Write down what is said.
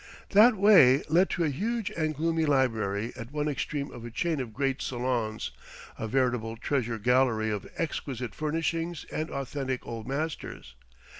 That way led to a huge and gloomy library at one extreme of a chain of great salons, a veritable treasure gallery of exquisite furnishings and authentic old masters.